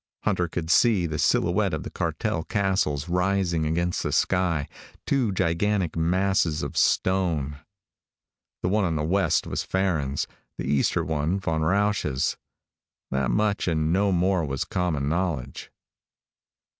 Hunter could see the silhouette of the cartel castles rising against the sky, two gigantic masses of stone. The one on the west was Farren's; the eastern one, Von Rausch's. That much and no more was common knowledge.